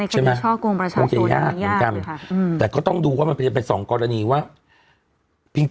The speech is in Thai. ใช่ไหมคงจะยากเหมือนกันอืมแต่ก็ต้องดูว่ามันเป็นเป็นสองกรณีว่า